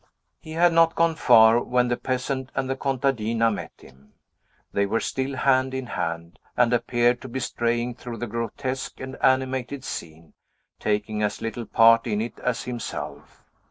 He had not gone far when the peasant and the contadina met him. They were still hand in hand, and appeared to be straying through the grotesque and animated scene, taking as little part in it as himself.